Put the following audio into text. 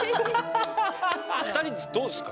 ２人どうですか？